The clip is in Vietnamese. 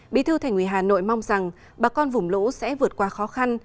bí thư thành ủy hà nội mong rằng bà con vùng lũ sẽ vượt qua khó khăn